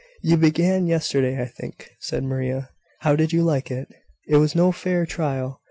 "You began yesterday, I think," said Maria. "How did you like it?" "It was no fair trial.